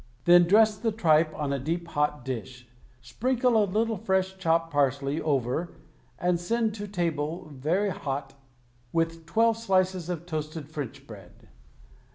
Then dress the tripe on a deep hot dish, sprinkle a little freshly chopped parsley over and send to table very hot with twelve slices of toasted French bread.